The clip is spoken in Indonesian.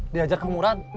diajar kang murad